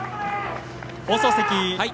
放送席。